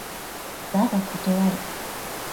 だが断る。